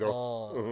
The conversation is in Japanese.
うん。